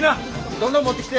どんどん持ってきて。